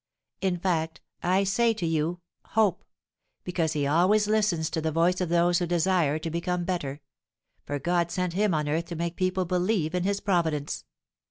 In fact, I say to you, Hope! because he always listens to the voice of those who desire to become better; for God sent him on earth to make people believe in his providence!"